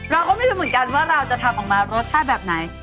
เราก็ไม่รู้เหมือนกันว่าเราจะทำออกมารสชาติแบบไหน